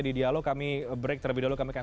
di dialog kami break terlebih dahulu kami akan